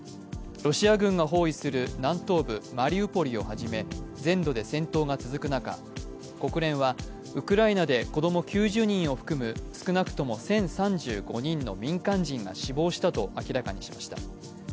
ロシア軍が包囲する南東部マリウポリをはじめ全土で戦闘が続く中、国連はウクライナで子供９０人を含む少なくとも１０３５人の民間人が死亡したと明らかにしました。